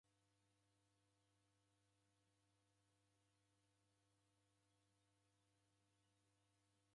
W'aisanga w'aw'ianekwa midi ni serikali w'iw'e kula andu.